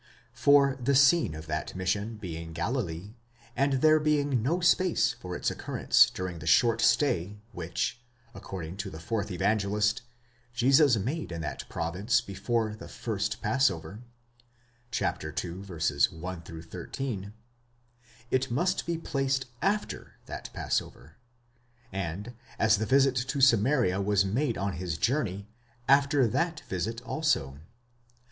For the scene of that mission being Galilee, and there being no space for its occurrence during the short stay which, according to the fourth Evangelist, Jesus made in that province before the first Passover (ii. 1 13), it must be placed after that Passover; and, as the visit to Samaria was made on his journey, after that visit also.